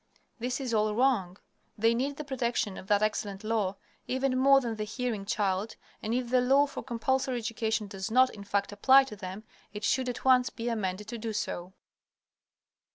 This is all wrong. They need the protection of that excellent law even more than the hearing child, and if the law for compulsory education does not, in fact, apply to them, it should at once be amended to do so.